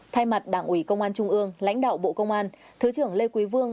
thay mặt đảng ủy công an trung ương lãnh đạo bộ công an thứ trưởng lê quý vương